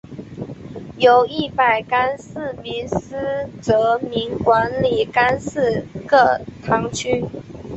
由一百廿四名司铎名管理廿四个堂区。